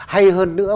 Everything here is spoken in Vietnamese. hay hơn nữa